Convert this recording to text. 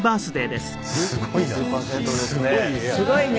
すごいね。